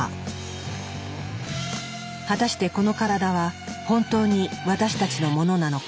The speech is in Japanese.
果たしてこの体は本当に私たちのものなのか？